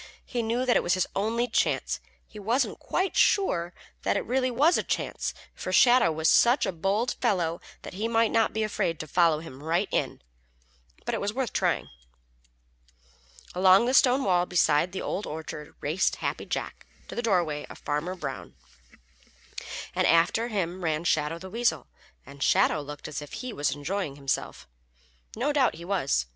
He knew that it was his only chance. He wasn't quite sure that it really was a chance, for Shadow was such a bold fellow that he might not be afraid to follow him right in, but it was worth trying. Along the stone wall beside the Old Orchard raced Happy Jack to the dooryard of Farmer Brown, and after him ran Shadow the Weasel, and Shadow looked as if he was enjoying himself. No doubt he was.